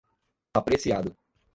apreciado